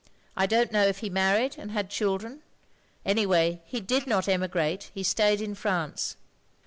I don't know if he married and had children. An3rway he did not emigrate, he stayed in France."